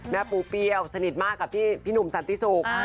แม่ปูปีเอาสนิทมากกับพี่หนุ่มสันติสุก